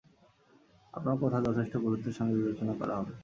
আপনার কথা যথেষ্ট গুরুত্বের সঙ্গে বিবেচনা করা হবে।